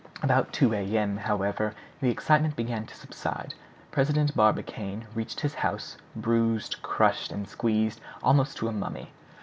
About two A.M., however, the excitement began to subside. President Barbicane reached his house, bruised, crushed, and squeezed almost to a mummy.